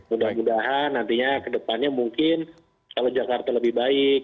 mudah mudahan nantinya ke depannya mungkin kalau jakarta lebih baik